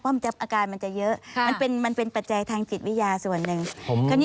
มันจะอาการมันจะเยอะมันเป็นปัจจัยทางจิตวิทยาส่วนหนึ่ง